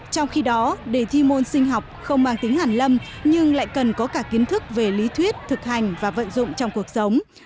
trong khi đó đề thi môn sinh học không mang tính hàn lâm nhưng lại cần có cả kiến thức về lý thuyết thực hành và vận dụng trong cuộc sống